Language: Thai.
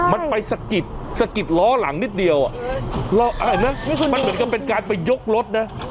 มันไปสกิดสกิดร้อหลังนิดเดียวมันเหมือนเกิดเป็นการไปยกรถน่ะ